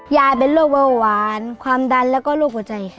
ยายเป็นโรคเบาหวานความดันแล้วก็โรคหัวใจค่ะ